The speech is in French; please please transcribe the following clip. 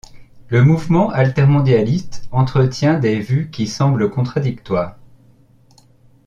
Le mouvement altermondialiste entretient des vues qui semblent contradictoires.